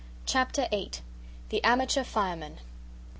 Chapter VIII. The amateur firemen.